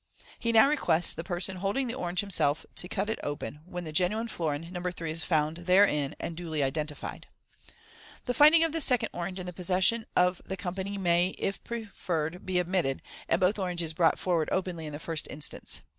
He now requests the person holding the orange himself in MODERN MAGIC. to cut it open ; when the genuine florin, No. 3, is found therein, and duly identified. The finding of the second orange in the possession of fhe com pany may, if preferred, be omitted, and both oranges be brought for ward openly in the first instance.